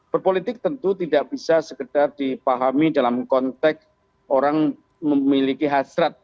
berpolitik tentu tidak bisa sekedar dipahami dalam konteks orang memiliki hasrat